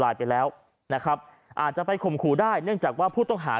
ไปแล้วนะครับอาจจะไปข่มขู่ได้เนื่องจากว่าผู้ต้องหา